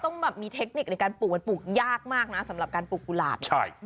ต้องแบบมีเทคนิคในการปลูกมันปลูกยากมากนะสำหรับการปลูกกุหลาบเนี่ย